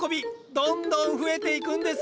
どんどん増えていくんです。